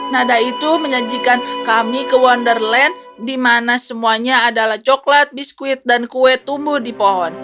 nada itu menyajikan kami ke wonderland di mana semuanya adalah coklat biskuit dan kue tumbuh di pohon